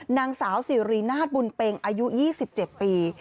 นางสาวสิรินาทบุญเป็งอายุ๒๗ปี